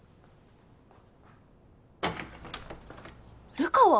流川！？